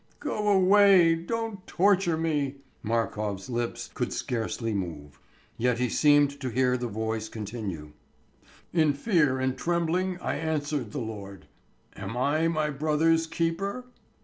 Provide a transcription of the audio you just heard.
'" "Go away; don't torture me!" Markof's lips could scarcely move. Yet he seemed to hear the voice continue, "In fear and trembling I answered the Lord, 'Am I my brother's keeper?'